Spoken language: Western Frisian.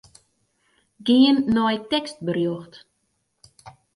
Gean nei tekstberjocht.